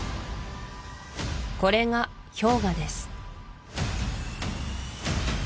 これが氷河です